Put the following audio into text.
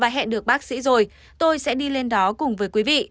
và hẹn được bác sĩ rồi tôi sẽ đi lên đó cùng với quý vị